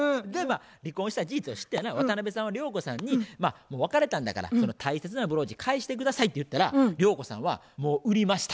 離婚した事実を知ってやな渡辺さんは涼子さんに「別れたんだから大切なブローチ返して下さい」って言ったら涼子さんは「もう売りました」